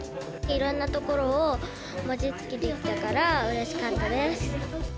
いろんなところを、餅つきできたから、うれしかったです。